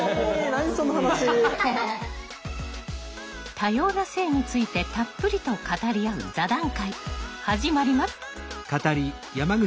多様な性についてたっぷりと語り合う座談会始まります！